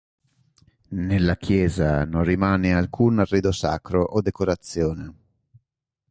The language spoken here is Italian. Nella chiesa non rimane alcun arredo sacro o decorazione.